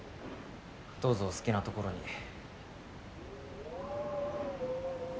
どうぞお好きなところに。